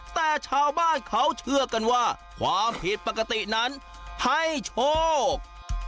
แต่ชาวบ้านเขาเชื่อกันว่าความผิดปกตินั้นให้โชค